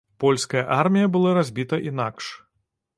Польская армія была разбіта інакш.